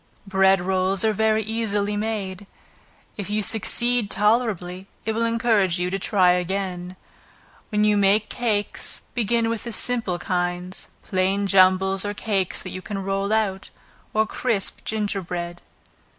Bread rolls are very easily made. If you succeed tolerably, it will encourage you to try again. When you make cakes, begin with the simple kinds; plain jumbles or cakes that you can roll out, or crisp ginger bread.